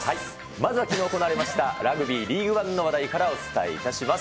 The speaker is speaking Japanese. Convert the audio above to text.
まずはきのう行われましたラグビーリーグワンの話題からお伝えします。